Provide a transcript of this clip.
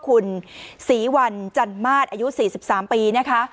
คุณศรีวันจันมาศอายุ๔๓ปีนะคะ